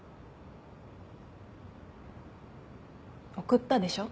送ったでしょ。